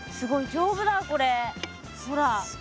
丈夫だこれほら。